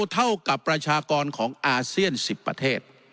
เท่ากับประชากรของอาเซียน๑๐ประเทศ